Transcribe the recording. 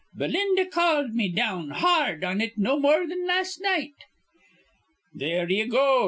Belinda called me down ha ard on it no more thin las' night." "There ye go!"